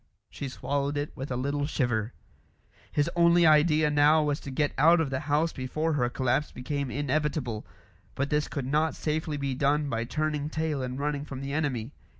She swallowed it with a little shiver. His only idea now was to get out of the house before her collapse became inevitable; but this could not safely be done by turning tail and running from the enemy.